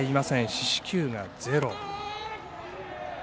四死球がゼロ。